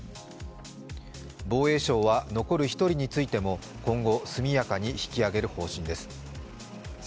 防衛省は、残る１人についても今後速やかに引き揚げる方針でうｓ